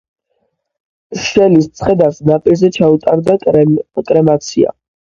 შელის ცხედარს ნაპირზე ჩაუტარდა კრემაცია.